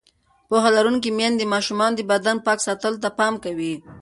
پوهه لرونکې میندې د ماشومانو د بدن پاک ساتلو ته پام کوي.